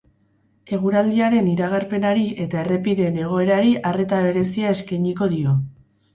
Eguraldiaren iragarpenari eta errepideen egoerari arreta berezia eskainiko dio.